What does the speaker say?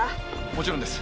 もちろんです。